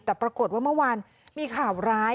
แต่ปรากฏว่าเมื่อวานมีข่าวร้าย